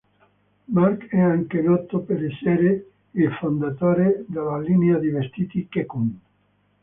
Mark è anche noto per essere il fondatore della linea di vestiti Ke'Kuhn.